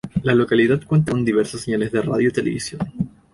La localidad cuenta con diversas señales de radio y televisión.